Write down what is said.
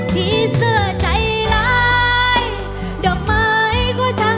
พี่เสือทำกับดอกไม้แล้วเธอก็หาย